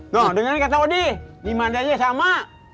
noh dengerin kata odi dimana aja sama